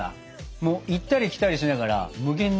もう行ったり来たりしながら無限に食べれそう。